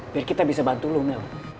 biar kita bisa bantu lo mel